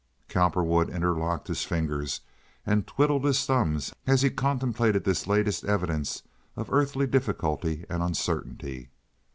Cowperwood interlocked his fingers and twiddled his thumbs as he contemplated this latest evidence of earthly difficulty and uncertainty.